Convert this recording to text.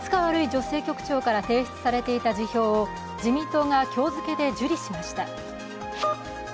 女性局長から提出されていた辞表を自民党が今日付けで受理しました。